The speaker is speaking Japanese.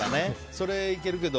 それでいけるけど。